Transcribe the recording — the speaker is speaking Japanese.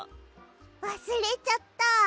わすれちゃった。